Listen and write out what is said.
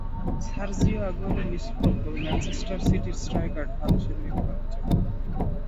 Sergio আগুয়েরোও নিষ্প্রভ, তবে ম্যানচেস্টার সিটির স্ট্রাইকার ঢাল হিসেবে নিতে পারেন চোটকে।